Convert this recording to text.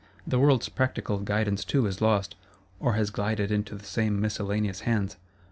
The world's Practical Guidance too is lost, or has glided into the same miscellaneous hands.